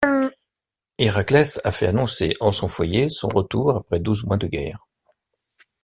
Héraclès a fait annoncer en son foyer son retour après douze mois de guerre.